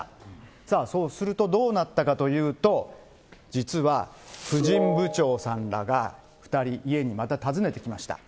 さあ、するとどうなったかというと、実は、婦人部長さんらが２人、また家に訪ねてきました。